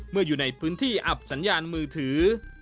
อยู่ในพื้นที่อับสัญญาณมือถือ